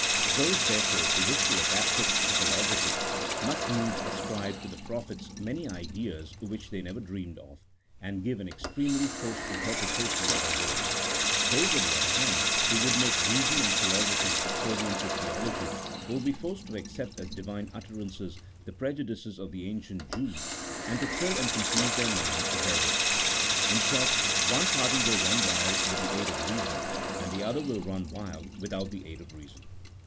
Those, therefore, who wish to adapt it to philosophy, must needs ascribe to the prophets many ideas wliich they never even dreamed of, and give an extremely forced interpretation to their words: those on the other hand, who would make reason and philosophy subservient to theology, will be forced to accept as Divine utterances the prejudices of the ancient Jews, and to fill and confuse their mind therewith. In short, one party will run wild with the aid of reason, and the other will run wild without the aid of reason.